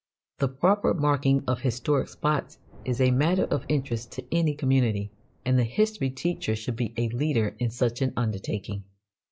The proper marking of historic spots is a matter of interest to any community, and the history teacher should be a leader in such an undertaking.